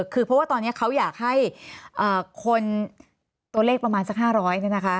คือเพราะว่าตอนนี้เขาอยากให้คนตัวเลขประมาณสัก๕๐๐เนี่ยนะคะ